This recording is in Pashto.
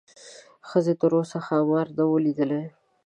ښځې تر اوسه ښامار نه و لیدلی.